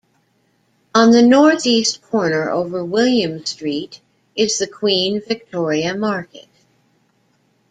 On the northeast corner over William Street, is the Queen Victoria Market.